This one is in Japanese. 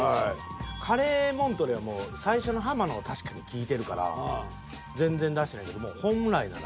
カレーモントレーはもう最初のハマのを確かに聞いてるから全然出してないけどもう本来なら。